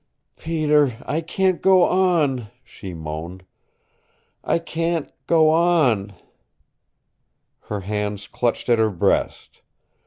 "Peter, I can't go on," she moaned. "I can't go on " Her hands clutched at her breast.